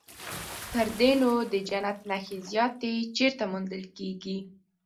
تر دې نو د جنت نښې زیاتې چیرته موندل کېږي.